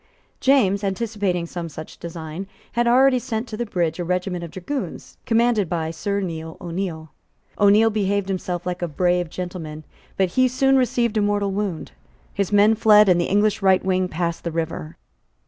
James, anticipating some such design, had already sent to the bridge a regiment of dragoons, commanded by Sir Neil O'Neil. O'Neil behaved himself like a brave gentleman: but he soon received a mortal wound; his men fled; and the English right wing passed the river.